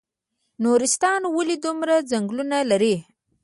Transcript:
نورستان ولې دومره ځنګلونه لري؟